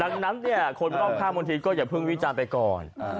ดังนั้นเนี่ยคนรอบข้างบางทีก็อย่าเพิ่งวิจารณ์ไปก่อน